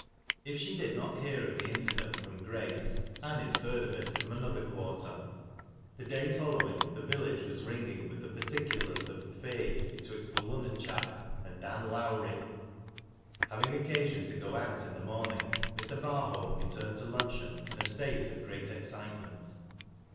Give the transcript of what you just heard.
If she did not hear of the incident from Grace, Aniw heard of it fi ora another quarter. The day following, the village was ringing with the particulars of " th' feight betwix' th' Lunnon chap aji' Dan Lowrie." Having occasion to go out in the morning, Mr. Barhohii retm ned to luncheon in a state of great excitement.